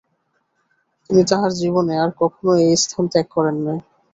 তিনি তাঁহার জীবনে আর কখনও এই স্থান ত্যাগ করেন নাই।